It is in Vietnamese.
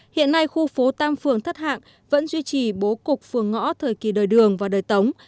hiện nay khu phố tam phường thất hạng vẫn duy trì bố cục phường ngõ thời kỳ đời đường và đời tống